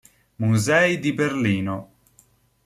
Musei di Berlino